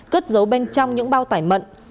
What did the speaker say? cất giấu bên trong những bao tải mận